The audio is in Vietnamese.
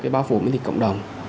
cái bao phủ miễn dịch cộng đồng